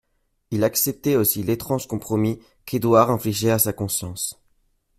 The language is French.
Il acceptait aussi l'étrange compromis qu'Édouard infligeait à sa conscience.